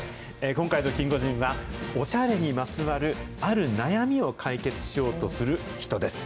今回のキンゴジンは、オシャレにまつわるある悩みを解決しようとする人です。